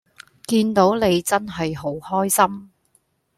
見到你真係好開心